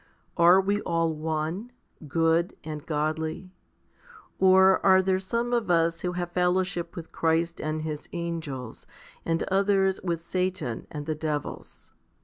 Are we all one, good and godly ? Or are there some of us who have fel lowship with Christ and His angels, and others with Satan and the devils?